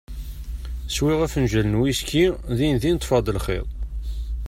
Swiɣ afenǧal n wiski, din din ṭfeɣ-d lxiḍ.